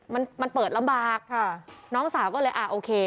มันมันเปิดลำบากค่ะน้องสาวก็เลยอ่าโอเค